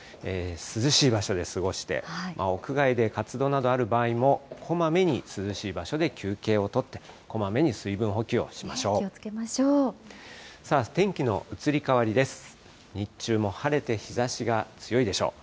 涼しい場所で過ごして、屋外で活動などある場合も、こまめに涼しい場所で休憩を取って、こまめに気をつけましょう。